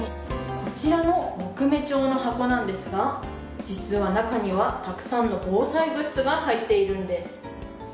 こちらの木目調の箱なんですが実は中には、たくさんの防災グッズが入っているんです。